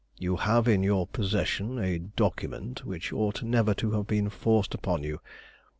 You have in your possession a document which ought never to have been forced upon you.